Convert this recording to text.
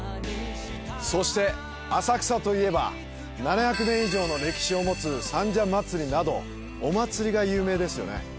そして、浅草といえば７００年以上の歴史を持つ三社祭などお祭りが有名ですよね。